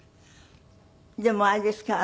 でもあれですか？